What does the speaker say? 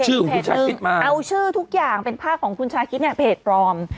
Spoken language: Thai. เอาชื่อทุกอย่างเป็นภาคของคุณชาคิตเนี่ยเพจปลอม